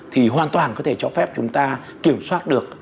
thì hoàn toàn có thể cho phép chúng ta kiểm soát được